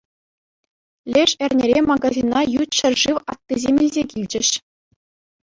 Леш эрнере магазина ют ҫӗршыв аттисем илсе килчӗҫ.